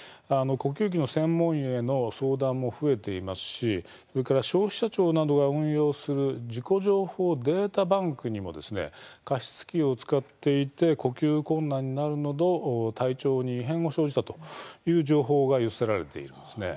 呼吸器の専門医への相談も増えてきますし消費者庁などが運用する事故情報データバンクにも加湿器を使っていて呼吸困難になるなど体調に異変が生じたという情報が寄せられています。